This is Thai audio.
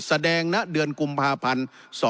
แสดงณะเดือนกุมภาพันธ์๒๕๖๕